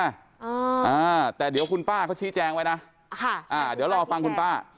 อ่าแต่เดี๋ยวคุณป้าเขาชี้แจงไว้นะค่ะอ่าเดี๋ยวรอฟังคุณป้า